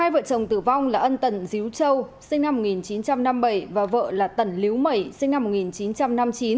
hai vợ chồng tử vong là ân tần díu châu sinh năm một nghìn chín trăm năm mươi bảy và vợ là tần liễu mẩy sinh năm một nghìn chín trăm năm mươi chín